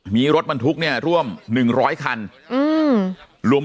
มีรถบรรทุกเนี่ยร่วม๑๐๐คัน